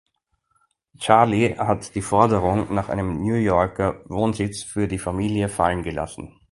Charlie hat die Forderung nach einem New Yorker Wohnsitz für die Familie fallengelassen.